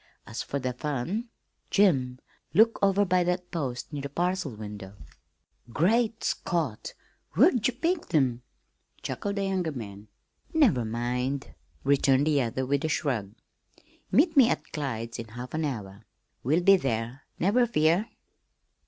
As for the fun, Jim, look over by that post near the parcel window." "Great Scott! Where'd you pick 'em?" chuckled the younger man. "Never mind," returned the other with a shrug. "Meet me at Clyde's in half an hour. We'll be there, never fear."